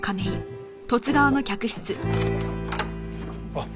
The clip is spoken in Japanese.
あっ。